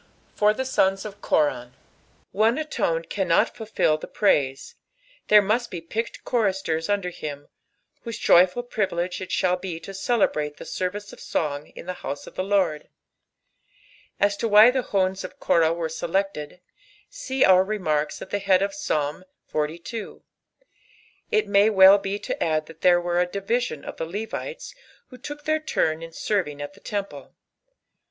For the Sods o( Korab. One alone cannot futJU the prtdM, there must be picked choristers under him, whose joiifal privilege it shall be to cdebraU the ssrrice cf song in the house cf the Lord. As to v>hy the Sons qf Korah wers sdteled, see our remarks at Iht hnid qf Psalm XLII. It may be teeii to add thai tliey were a diluion of the LeoHts loho took their turn in serving ai the templt.